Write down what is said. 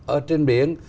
ở trên biển